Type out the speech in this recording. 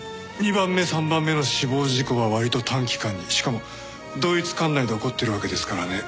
２番目３番目の死亡事故が割と短期間にしかも同一管内で起こっているわけですからね。